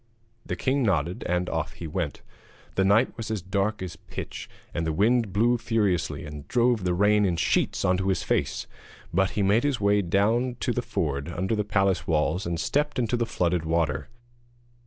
The king nodded, and off he went. The night was as dark as pitch, and the wind blew furiously and drove the rain in sheets into his face; but he made his way down to the ford under the palace walls and stepped into the flooded water.